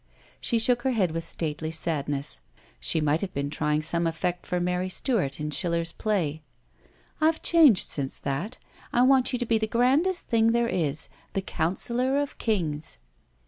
She shook her head with stately sadness; she might have been trying some effect for Mary Stuart in Schiller's play. "I've changed since that. I want you to be the grandest thing there is the counsellor of kings."